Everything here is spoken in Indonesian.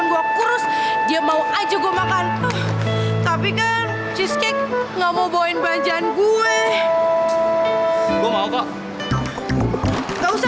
mbak cari apa cincin tunangannya